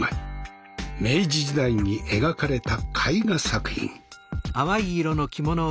明治時代に描かれた絵画作品。